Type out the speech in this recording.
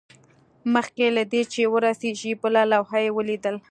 مخکې له دې چې ورسیږي بله لوحه یې ولیدل